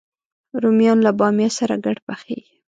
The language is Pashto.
رومیان له بامیه سره ګډ پخېږي